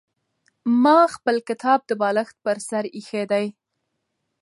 زه خپل کتاب د بالښت پر سر ایښی دی.